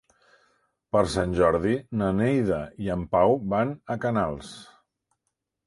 Per Sant Jordi na Neida i en Pau van a Canals.